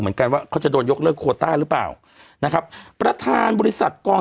เหมือนกันว่าเขาจะโดนยกเลิกโคต้าหรือเปล่านะครับประธานบริษัทกอง